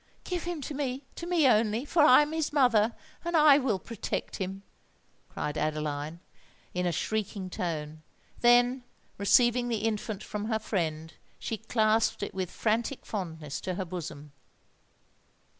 "Give him to me—to me only,—for I am his mother—and I will protect him!" cried Adeline in a shrieking tone: then, receiving the infant from her friend, she clasped it with frantic fondness to her bosom.